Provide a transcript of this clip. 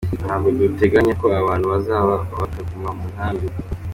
Ntabwo duteganya ko abantu bazaza bakaguma mu nkambi.